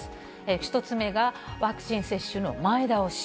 １つ目が、ワクチン接種の前倒し。